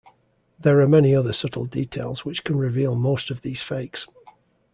There are many other subtle details which can reveal most of these fakes.